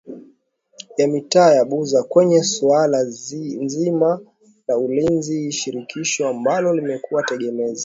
ya mitaa ya Buza kwenye suala nzima la Ulinzi shirikishi ambalo limekuwa tegemezi